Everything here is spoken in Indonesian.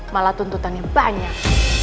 malah tuntutannya banyak